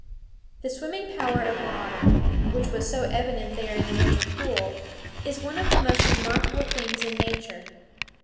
The swimming power of an otter, which was so evident there in the winter pool, is one of the most remarkable things in nature.